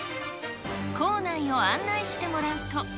校内を案内してもらうと。